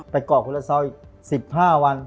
ไปกรอกคุณศาสตร์อีก๑๕วัน